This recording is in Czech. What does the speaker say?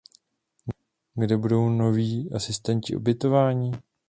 Kde budou noví asistenti ubytováni?